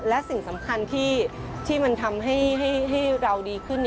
และสิ่งสำคัญที่มันทำให้เราดีขึ้น